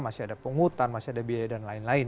masih ada penghutan masih ada biaya dan lain lain